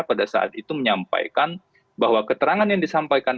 pada saat itu menyampaikan bahwa keterangan yang disampaikan